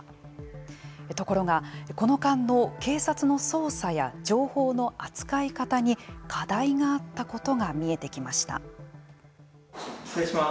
ところが、この間の警察の捜査や情報の扱い方に課題があったことが見えてきました。